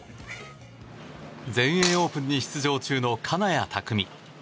全英オープンに出場中の金谷拓実。